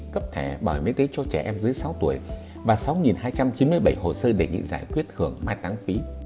cấp thẻ bảo hiểm y tế cho trẻ em dưới sáu tuổi và sáu hai trăm chín mươi bảy hồ sơ đề nghị giải quyết hưởng mai táng phí